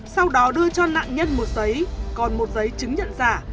sau đó đưa cho nạn nhân một giấy còn một giấy chứng nhận giả